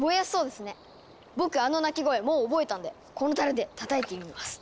僕あの鳴き声もう覚えたんでこのたるでたたいてみます。